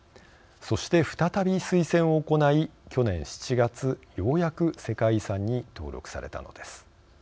そして再び推薦を行い去年７月、ようやく世界遺産に登録されたのです。